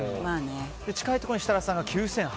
近いところに設楽さんが９８００円。